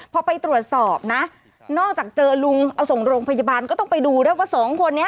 พอไปตรวจสอบนะนอกจากเจอลุงเอาส่งโรงพยาบาลก็ต้องไปดูด้วยว่าสองคนนี้